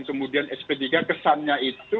kemudian sp tiga kesannya itu